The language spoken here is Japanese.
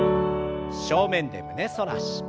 正面で胸反らし。